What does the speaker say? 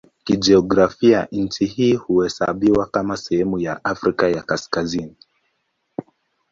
Kijiografia nchi hii huhesabiwa kama sehemu ya Afrika ya Kaskazini.